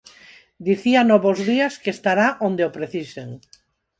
Dicía no "Bos días" que estará onde o precisen.